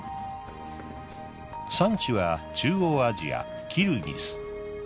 産地は中央アジアキルギス。